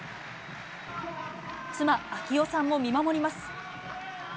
妻、啓代さんも見守ります。